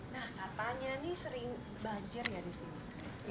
nah katanya ini sering banjir ya di sini